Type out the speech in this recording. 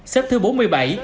xếp thứ bốn của israel